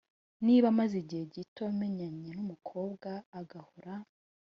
niba maze igihe gito menyanye n umukobwa agahora